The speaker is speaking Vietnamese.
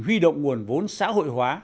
huy động nguồn vốn xã hội hóa